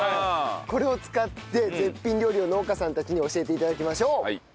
これを使って絶品料理を農家さんたちに教えて頂きましょう。